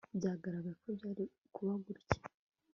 Byaragaragaye ko byari kuba gutya